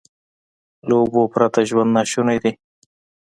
له اوبو پرته ژوند ناشونی دی.